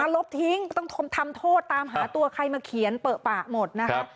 ลบทิ้งต้องทำโทษตามหาตัวใครมาเขียนเปอะปะหมดนะคะ